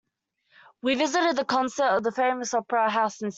We visited a concert in the famous opera house in Sydney.